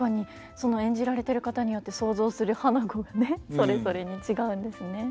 その演じられてる方によって想像する花子がねそれぞれに違うんですね。